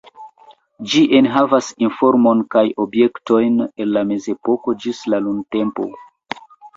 Ĝi enhavas informon kaj objektojn el la Mezepoko ĝis la nuntempo.